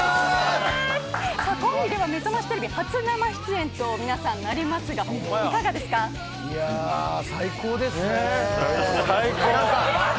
めざましテレビ初生出演と皆さんなりますが最高ですね。